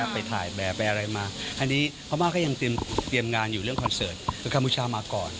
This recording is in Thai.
ไปถ่ายแบบไปอะไรมาอันนี้พม่าก็ยังเตรียมงานอยู่เรื่องคอนเสิร์ตคือกัมพูชามาก่อน